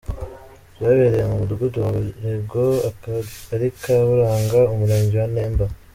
Byabereye mu Mudugudu wa Burego, Akagari ka Buranga, Umurenge wa Nemba.